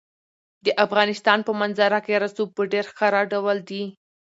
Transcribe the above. د افغانستان په منظره کې رسوب په ډېر ښکاره ډول دي.